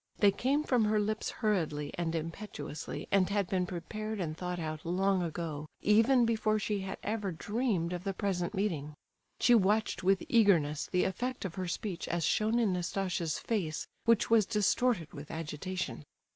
They came from her lips hurriedly and impetuously, and had been prepared and thought out long ago, even before she had ever dreamed of the present meeting. She watched with eagerness the effect of her speech as shown in Nastasia's face, which was distorted with agitation.